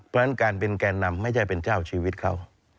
เพราะฉะนั้นการเป็นแก่นำไม่ใช่เป็นเจ้าชีวิตเขา